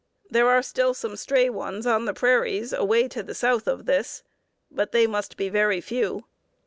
There are still some stray ones on the prairies away to the south of this, but they must be very few.